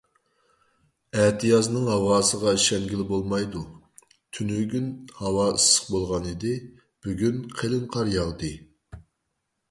ئەتىيازنىڭ ھاۋاسىغا ئىشەنگىلى بولمايدۇ. تۈنۈگۈن ھاۋا ئىسسىق بولغان ئىدى، بۈگۈن قېلىن قار ياغدى.